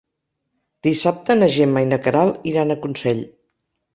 Dissabte na Gemma i na Queralt iran a Consell.